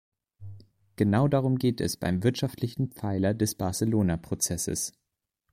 Genau darum geht es beim wirtschaftlichen Pfeiler des Barcelonaprozesses.